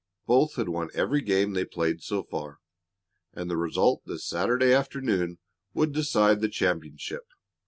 Both had won every game they had played so far, and the result this Saturday afternoon would decide the championship.